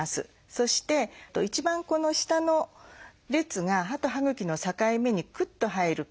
そして一番この下の列が歯と歯ぐきの境目にクッと入る感じ。